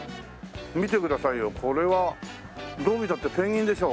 見てくださいよこれはどう見たってペンギンでしょ。